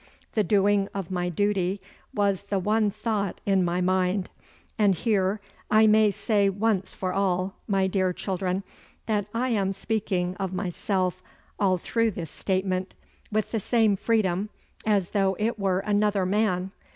The doing of my duty was the one thought in my mind. And here I may say once for all, my dear children, that I am speaking of myself all through this statement with the same freedom as though it were another man.